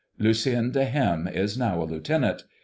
Lucien de Hem is now a lieutenant.